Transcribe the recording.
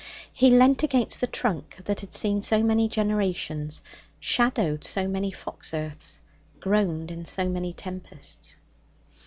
He leant against the trunk that had seen so many generations, shadowed so many fox earths, groaned in so many tempests.